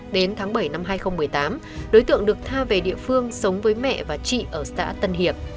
đến tháng bảy năm hai nghìn một mươi tám đối tượng được tha về địa phương sống với mẹ và chị ở xã tân hiệp